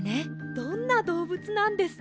どんなどうぶつなんですか？